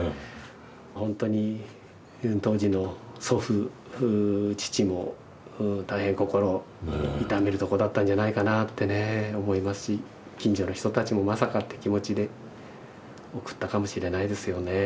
本当に当時の祖父父も大変心を痛めるところだったんじゃないかなってね思いますし近所の人たちもまさかって気持ちで送ったかもしれないですよね。